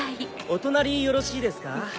お隣よろしいですか？